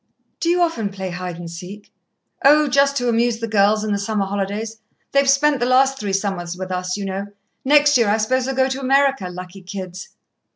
"Do you often play hide and seek?" "Oh, just to amuse the girls, in the summer holidays. They've spent the last three summers with us, you know. Next year I suppose they'll go to America, lucky kids!"